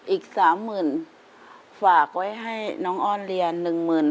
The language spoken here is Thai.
อีกสามหมื่นฝากไว้ให้น้องอ้อนเรียนหนึ่งหมื่น